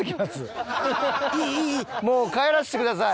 もう帰らせてください。